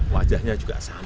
wajahnya juga sama